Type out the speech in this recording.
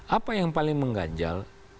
apa yang paling mengganjal